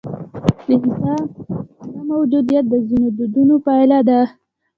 د انصاف نه موجودیت د ځینو دودونو پایله ده.